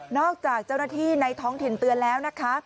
จากเจ้าหน้าที่ในท้องถิ่นเตือนแล้วนะคะ